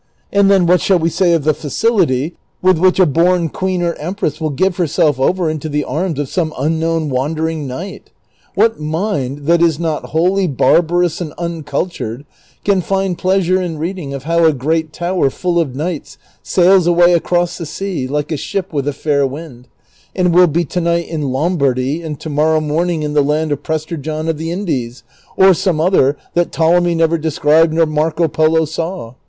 And then, what shall we say of the facility with which a born queen or empress will give herself over into the arms of some unknown wandering knight ? What mind, that is not wholly barbarous and uncultured, can find pleasure in reading of how a great tower full of knights sails away across the sea like a ship Avith a faiy wind, and will be to night in Lombardy and to morrow morning in the land of Prester John of the Indies, or some other that Ptolemy never described nor Marco Polo saw